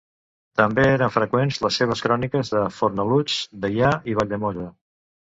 També eren freqüents les seves cròniques de Fornalutx, Deià i Valldemossa.